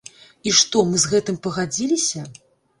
І што, мы з гэтым пагадзіліся?